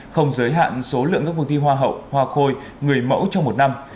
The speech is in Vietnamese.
không giới hạn số lượng các cuộc thi hoa hậu hoa khôi người mẫu trong một năm